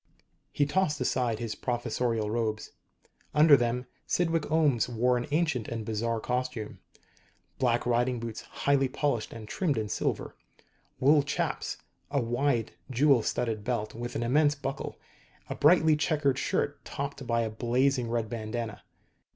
He tossed aside his professorial robes. Under them Cydwick Ohms wore an ancient and bizarre costume: black riding boots, highly polished and trimmed in silver; wool chaps; a wide, jewel studded belt with an immense buckle; a brightly checked shirt topped by a blazing red bandana.